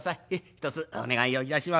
ひとつお願いをいたします」。